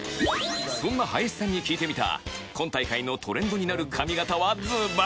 そんな林さんに聞いてみた今大会のトレンドになる髪形はずばり？